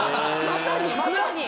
まさに！